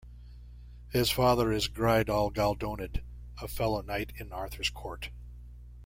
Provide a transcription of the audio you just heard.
His father is Greidawl Galldonyd, a fellow knight in Arthur's court.